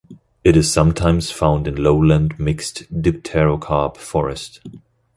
It is sometimes found in lowland mixed dipterocarp forest.